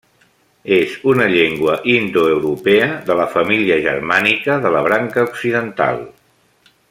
És una llengua indoeuropea de la família germànica, de la branca occidental.